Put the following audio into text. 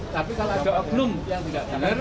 tapi kalau ada oknum yang tidak benar